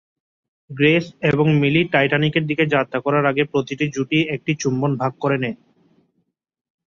Grace এবং Millie টাইটানিকের দিকে যাত্রা করার আগে প্রতিটি জুটি একটি চুম্বন ভাগ করে নেয়।